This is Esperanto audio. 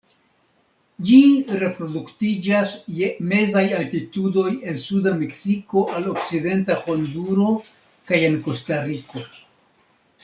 Ĝi reproduktiĝas je mezaj altitudoj el suda Meksiko al okcidenta Honduro kaj en Kostariko.